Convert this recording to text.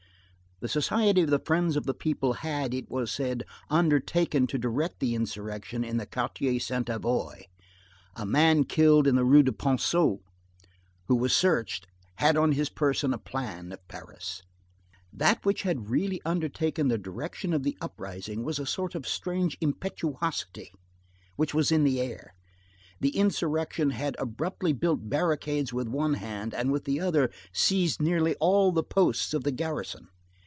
The Society of the Friends of the People had, it was said, undertaken to direct the insurrection in the Quartier Sainte Avoye. A man killed in the Rue du Ponceau who was searched had on his person a plan of Paris. That which had really undertaken the direction of the uprising was a sort of strange impetuosity which was in the air. The insurrection had abruptly built barricades with one hand, and with the other seized nearly all the posts of the garrison.